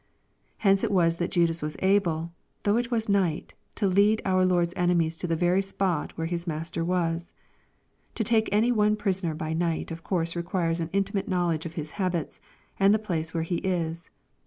Hence it was that Judas was able, though it was night, to lead our Lord's enemies to the very spot where his Master was. To take any one prisoner by night of course requires an intimate knowledge of his habits, and of the place where he is.